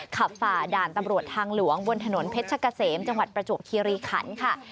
ฝ่าด่านตำรวจทางหลวงบนถนนเพชรกะเสมจังหวัดประจวบคีรีขันค่ะ